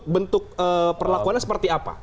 bentuk perlakuan seperti apa